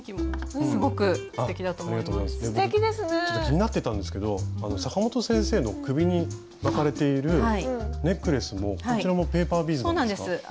ちょっと気になってたんですけどサカモト先生の首に巻かれているネックレスもこちらもペーパービーズなんですか？